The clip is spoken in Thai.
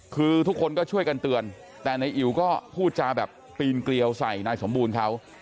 คือทุกคนก็ช่วยกันเตือนแต่นายอิ๋วก็พูดจาแบบปีนเกลียวใส่นายสมบูรณ์เขา